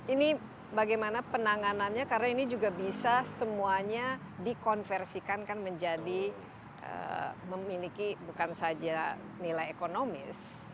ini bagaimana penanganannya karena ini juga bisa semuanya dikonversikan kan menjadi memiliki bukan saja nilai ekonomis